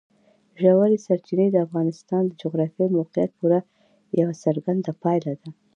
ژورې سرچینې د افغانستان د جغرافیایي موقیعت پوره یوه څرګنده پایله ده.